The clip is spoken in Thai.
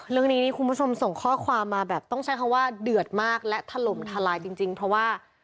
เรื่องนี้นี่คุณผู้ชมส่งข้อความมาแบบต้องใช้คำว่าเดือดมากและถล่มทลายจริงเพราะว่า